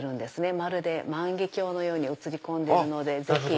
まるで万華鏡のように映り込んでるのでぜひ。